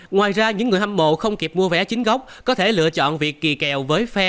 ngoài ra những người hâm mộ không kịp mua vé chính gốc có thể lựa chọn việc kỳ kèo với phe